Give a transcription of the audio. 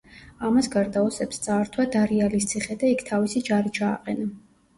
ამას გარდა ოსებს წაართვა დარიალის ციხე და იქ თავისი ჯარი ჩააყენა.